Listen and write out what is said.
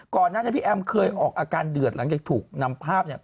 ก่อนหน้านี้พี่แอมเคยออกอาการเดือดหลังจากถูกนำภาพเนี่ย